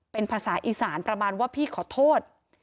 เป็นภาษาอีสานประมาณว่าพี่ขอโทษ